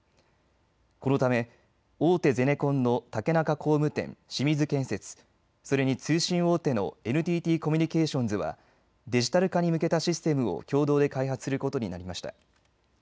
このため大手ゼネコンの竹中工務店、清水建設、それに通信大手のＮＴＴコミュニケーションズはデジタル化に向けたシステムを共同で開発することになりました。